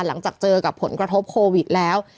หลังจากเจอกับผลกระทบโควิดแล้ว